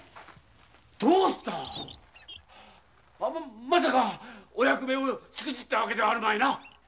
どうした⁉まさかお役目をしくじったのではあるまいな？